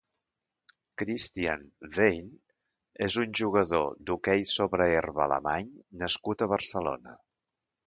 Christian Wein és un jugador d'hoquei sobre herba alemany nascut a Barcelona.